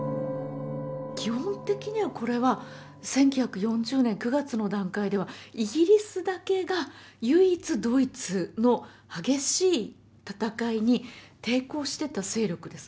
基本的にはこれは１９４０年９月の段階ではイギリスだけが唯一ドイツの激しい戦いに抵抗してた勢力です。